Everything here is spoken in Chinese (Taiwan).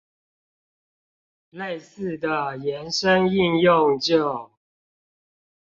類似的延伸應用就